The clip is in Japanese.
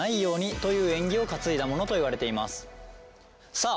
さあ